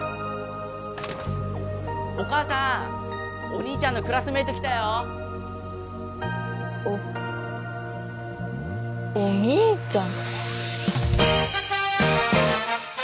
お母さんお兄ちゃんのクラスメイト来たよおお兄ちゃん？